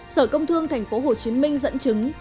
sở công thương tp hcm dẫn chứng